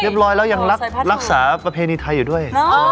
เรียบร้อยแล้วยังรักษาประเพณีไทยอยู่ด้วย